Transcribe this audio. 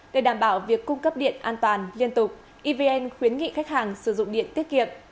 để đảm bảo việc cung cấp điện an toàn liên tục evn khuyến nghị khách hàng sử dụng điện tiết kiệm